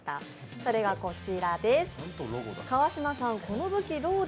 それがこちらです。